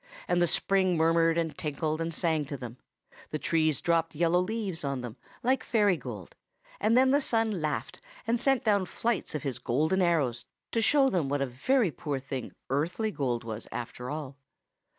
The spring murmured and tinkled and sang to them; the trees dropped yellow leaves on them, like fairy gold; and then the sun laughed, and sent down flights of his golden arrows, to show them what a very poor thing earthly gold was, after all.